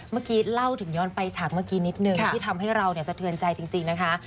เมื่อกี้เล่าถึงย้อนไปฉากเมื่อกี้นิดนึงที่ทำให้เราสะเทือนใจจริงนะคะ